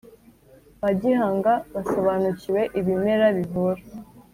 Ba gihanga basobanukiwe ibimera bivura